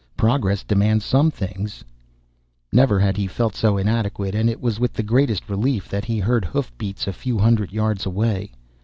Progress demands some things " Never had he felt so inadequate, and it was with the greatest relief that he heard hoof beats a few hundred yards away.